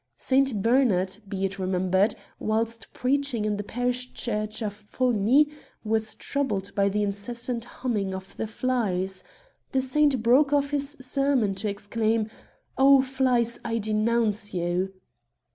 Saint Bernard, be it remem bered, whilst preaching in the parish church of Foligny, was troubled by the incessant humming of the flies. The saint broke off* his sermon to exclaim, *' O flies ! I denounce you